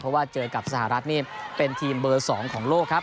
เพราะว่าเจอกับสหรัฐนี่เป็นทีมเบอร์๒ของโลกครับ